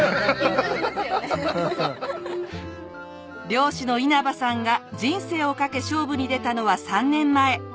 漁師の稲葉さんが人生をかけ勝負に出たのは３年前。